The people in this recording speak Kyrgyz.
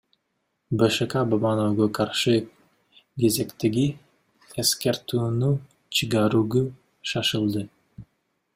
БШК Бабановго каршы кезектеги эскертүүнү чыгарууга шашылды.